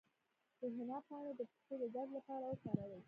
د حنا پاڼې د پښو د درد لپاره وکاروئ